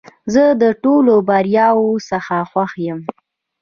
زه د ټولو بریاوو څخه خوښ یم .